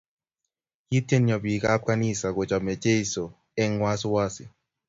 Kitiendyo biik ab kanisa kochame Chesu eng wasiwasi